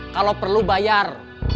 kalau perlu bayar